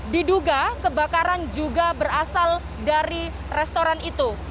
diduga kebakaran juga berasal dari restoran itu